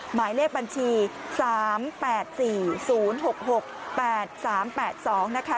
หมายเลขบัญชี๓๘๔๐๖๖๘๓๘๒นะคะ